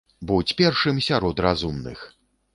Будзь першым сярод разумных!